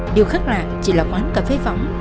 điều khác lạ chỉ là quán cà phê võng